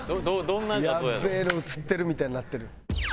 「やべえの映ってる」みたいになってる。